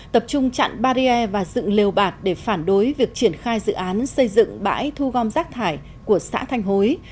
tập trung chặn barrier và dựng lều bạt để phản đối việc triển khai dự án xây dựng bãi thu gom rác thải của xã thanh hối